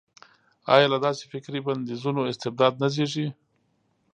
ایا له داسې فکري بندیزونو استبداد نه زېږي.